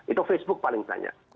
itu facebook paling banyak